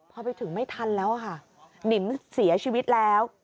พอไปถึงไม่ทันแล้วค่ะหนิมเสียชีวิตแล้ว